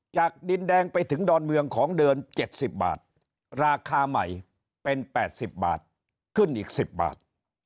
จากดินแดงไปถึงดอนเมืองของเดิม๗๐บาทราคาใหม่เป็น๘๐บาทขึ้นอีก๑๐บาท